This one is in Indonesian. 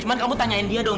cuma kamu tanyain dia dong